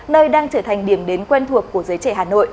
nơi đang trở thành điểm đến quen thuộc của giới trẻ hà nội